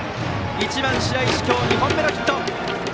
１番、白石、今日２本目のヒット。